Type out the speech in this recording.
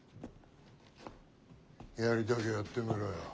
やりたきゃやってみろよ。